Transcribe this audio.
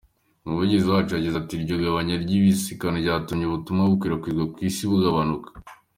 Umuvugizi waco yagize ati: "Iryo gabanya ry'isabikana ryaratumye ubutumwa bukwiragizwa kw'isi bugabanuka.